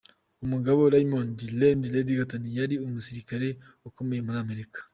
Umugabo Raymond Red Reddington yari umusirikare ukomeye mu Amerika.